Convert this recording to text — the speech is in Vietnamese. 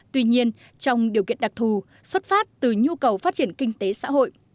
tuy nhiên trong điều kiện đặc thù xuất phát từ nhu cầu phát triển kinh tế xã hội